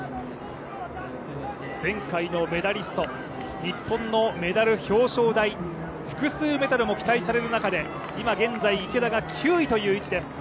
前回のメダリスト、日本のメダル表彰台複数メダルも期待される中今、現在池田が９位という状況です。